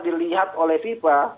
dilihat oleh fifa